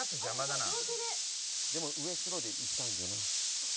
でも上白でいきたいんだよな。